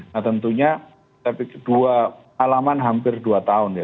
nah tentunya alaman hampir dua tahun ya